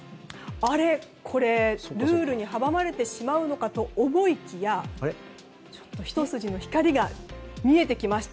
あれこれルールに阻まれてしまうのかと思いきやひと筋の光が見えてきました。